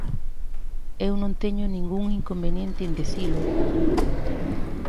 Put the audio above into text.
Eu non teño ningún inconveniente en dicilo.